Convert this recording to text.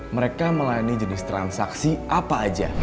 mereka melayani jenis transaksi apa aja